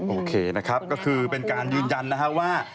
โอเคนะครับก็คือเป็นการยืนยันนะฮะว่า